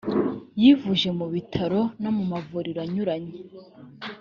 yivuje mu bitaro no mu mavuriro anyuranye